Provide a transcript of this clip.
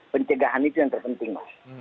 penjagaan itu yang terpenting